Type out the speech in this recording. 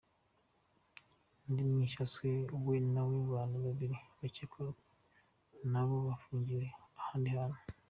Undi mwishywa we n'abandi bantu babiri bacyekwa na bo bafungiwe ahandi hantu.